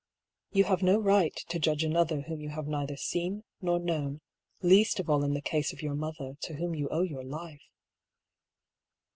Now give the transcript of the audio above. " You have no right to judge another whom you have neither seen nor known, least of all in the case of your mother, to whom you owe your life."